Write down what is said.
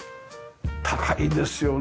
高いですよね。